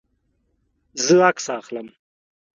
زه عکس اخلم